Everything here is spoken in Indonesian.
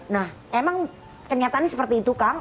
nah emang kenyataannya seperti itu kang